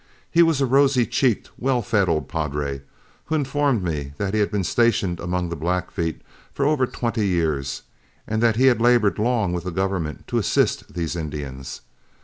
He was a rosy cheeked, well fed old padre, who informed me that he had been stationed among the Blackfeet for over twenty years, and that he had labored long with the government to assist these Indians.